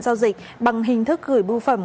giao dịch bằng hình thức gửi bưu phẩm